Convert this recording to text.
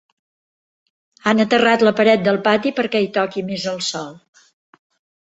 Han aterrat la paret del pati perquè hi toqui més el sol.